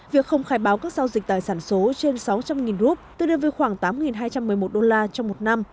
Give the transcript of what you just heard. việc không khai báo các giao dịch tài sản số trên sáu trăm linh rup tương đương với khoảng tám hai trăm một mươi một đô la trong một năm